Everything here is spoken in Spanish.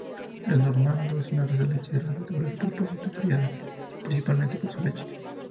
El Normando es una raza lechera de doble propósito, criada principalmente por su leche.